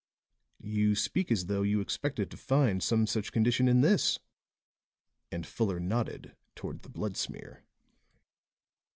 "You speak as though you expected to find some such condition in this," and Fuller nodded toward the blood smear.